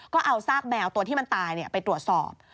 ก็เอาซากแมวตัวที่มันตายไปตรวจสอบ